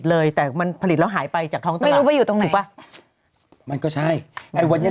เราผลิตจริงที